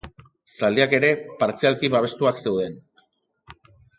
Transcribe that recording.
Zaldiak ere, partzialki babestuak zeuden.